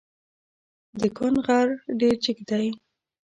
د کند غر ډېر جګ دی.